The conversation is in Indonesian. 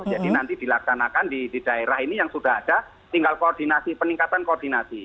jadi nanti dilaksanakan di daerah ini yang sudah ada tinggal koordinasi peningkatan koordinasi